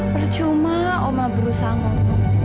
percuma omah berusaha ngomong